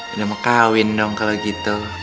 udah mau kawin dong kalau gitu